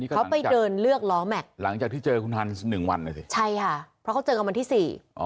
เขาไปเดินเลือกล้อแม็กหลังจากที่เจอคุณฮัน๑วันใช่ค่ะเพราะเขาเจอกันวันที่๔